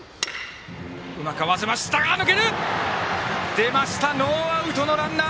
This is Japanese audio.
出ました、ノーアウトのランナー。